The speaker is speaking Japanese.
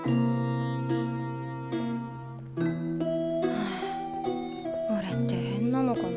はあおれって変なのかな。